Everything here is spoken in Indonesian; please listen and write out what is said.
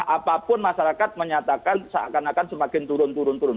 apapun masyarakat menyatakan seakan akan semakin turun turun turun turun